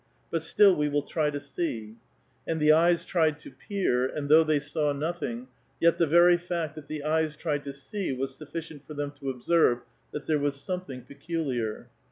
but still we will try to see" ; and the eyes tried to peer, and tbough they saw nothing, yet the very fact that the eyes tried to see was sufficient lor them to observe that there was something peculiar.